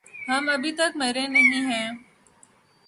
ہم أبھی تک مریں نہیں ہے۔